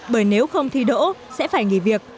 bởi nếu không thi đỗ sẽ phải nghỉ việc